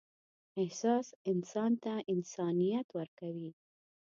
احساس انسان ته انسانیت ورکوي.